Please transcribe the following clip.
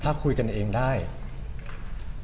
ทำไมผมถึงเจอไม่ได้แล้วยังไงปรากฏลูกเรียนเต้นเสร็จลูกกลับปรุงเก็ตเลย